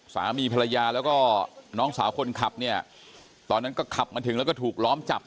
สามีภรรยาแล้วก็น้องสาวคนขับเนี่ยตอนนั้นก็ขับมาถึงแล้วก็ถูกล้อมจับ